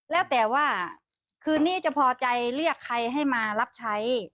แล้วแต่ว่าคืนนี้จะพอใจเรียกใครให้มารับใช้